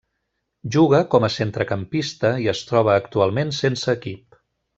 Juga com a centrecampista i es troba actualment sense equip.